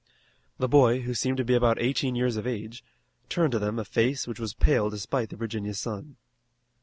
The boy, who seemed to be about eighteen years of age, turned to them a face which was pale despite the Virginia sun.